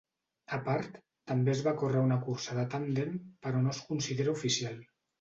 A part, també es va córrer una cursa de tàndem però no es considera oficial.